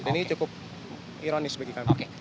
dan ini cukup ironis bagi kami